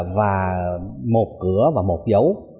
và một cửa và một dấu